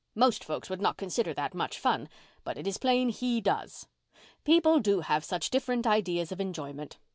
Most folks would not consider that much fun, but it is plain he does. People do have such different ideas of enjoyment.